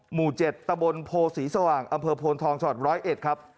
หมู่๗ตะบลโพศีสว่างอำเภอโพนทองช๑๐๑ครับ